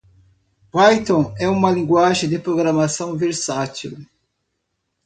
Python é uma linguagem de programação versátil.